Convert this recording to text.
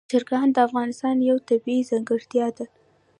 چرګان د افغانستان یوه طبیعي ځانګړتیا ده.